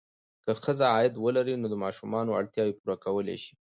که ښځه عاید ولري، نو د ماشومانو اړتیاوې پوره کولی شي.